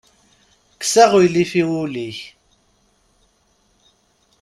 Kkes aɣilif i wul-ik.